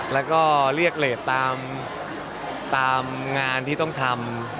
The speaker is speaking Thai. แล้วก็เรียกเลสตามงานที่ต้องทำ